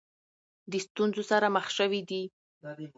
د ستونزو سره مخ شوې دي.